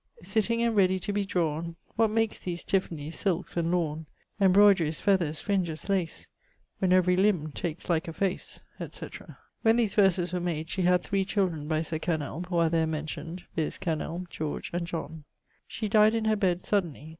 'Sitting, and ready to be drawne, What makes these tiffany, silkes, and lawne, Embroideries, feathers, fringes, lace, When every limbe takes like a face!' &c. When these verses were made she had three children by Sir Kenelme, who are there mentioned, viz. Kenelme, George, and John. She dyed in her bed suddenly.